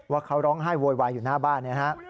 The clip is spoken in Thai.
ว่าเขาร้องไห้โวยวายอยู่หน้าบ้านนะฮะ